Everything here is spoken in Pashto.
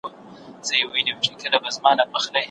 آیا معلومات مو دقیق او کره دي؟